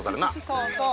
そうそう！